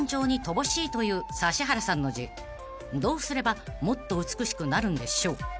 ［どうすればもっと美しくなるんでしょう］